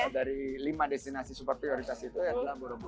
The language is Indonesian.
dari lima destinasi super prioritas itu adalah borobudu